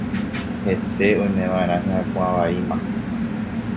hete oimeva'erã hyakuãvaíma